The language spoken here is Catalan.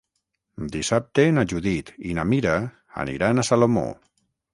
Dissabte na Judit i na Mira aniran a Salomó.